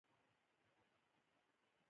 دوباره ترمیمول یې ستونزمن دي پوه شوې!.